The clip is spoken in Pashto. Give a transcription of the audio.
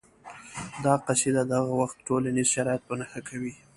دا قصیده د هغه وخت ټولنیز شرایط په نښه کوي